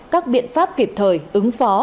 các biện pháp kịp thời ứng phó